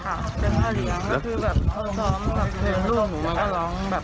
เป็นพ่อเลี้ยงแล้วคือพ่อซ้อมเขาถึงร่วงให้มันก็ลอง